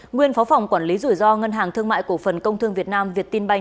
nguyên phó phòng quản lý rủi ro ngân hàng thương mại cổ phần công thương việt nam việt tinh banh